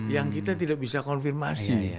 yang kita tidak bisa konfirmasi